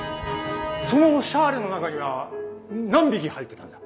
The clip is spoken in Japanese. そのシャーレの中には何匹入ってたんだ？